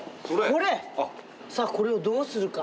さあこれをどうするか？